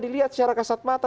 dilihat secara kasat mata